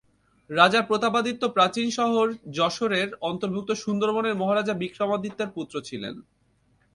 রাজা প্রতাপাদিত্য প্রাচীন যশোরের অন্তর্ভুক্ত সুন্দরবনের মহারাজা বিক্রমাদিত্যের পুত্র ছিলেন।